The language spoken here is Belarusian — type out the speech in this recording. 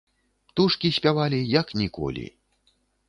Птушкі спявалі як ніколі.